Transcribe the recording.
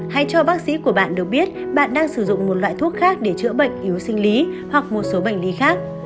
hãy cho bác sĩ của bạn được biết bạn đang sử dụng một loại thuốc khác để chữa bệnh yếu sinh lý hoặc một số bệnh lý khác